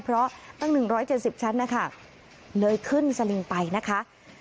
เพราะตั้ง๑๗๐ชั้นนะคะเลยขึ้นสลิงไปนะคะ